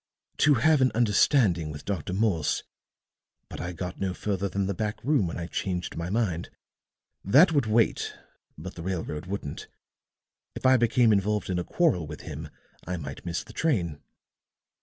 "To have an understanding with Dr. Morse. But I got no further than the back room when I changed my mind. That would wait, but the railroad wouldn't. If I became involved in a quarrel with him I might miss the train."